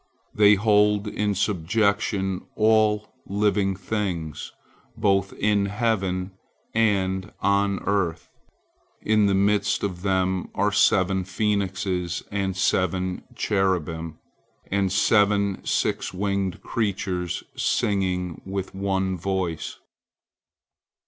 They hold in subjection all living things, both in heaven and on earth. In the midst of them are seven phoenixes, and seven cherubim, and seven six winged creatures, singing with one voice.